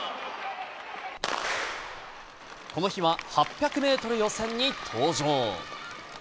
この日は８００メートル予選に登場。